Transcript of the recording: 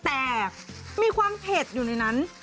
แต่มีความเผ็ดอยู่ในนั้น